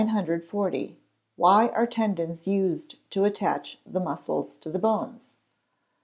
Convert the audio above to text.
_Why are tendons used to attach the muscles to the bones?